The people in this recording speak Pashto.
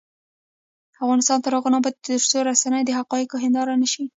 افغانستان تر هغو نه ابادیږي، ترڅو رسنۍ د حقایقو هنداره نشي.